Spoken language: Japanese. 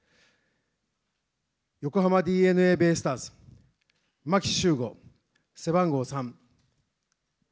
横浜ＤｅＮＡベイスターズ、牧秀悟、背番号３。